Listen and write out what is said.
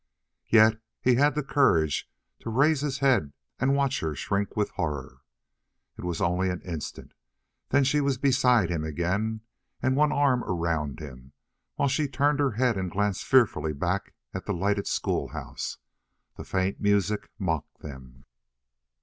Yet he had the courage to raise his head and watch her shrink with horror. It was only an instant. Then she was beside him again, and one arm around him, while she turned her head and glanced fearfully back at the lighted schoolhouse. The faint music mocked them.